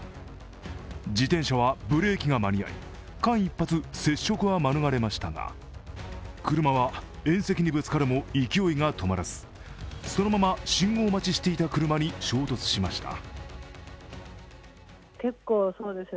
自転車はブレーキが間に合い間一髪、接触は免れましたが、車は縁石にぶつかるも勢いが止まらず、そのまま信号待ちしていた車に衝突しました。